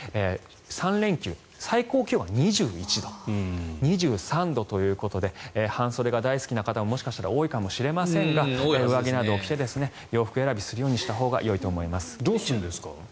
３連休、最高気温が２１度２３度ということで半袖が大好きな方がもしかしたら多いかもしれませんが上着などを着て洋服選ぶをするようにしたほうがいいと思います。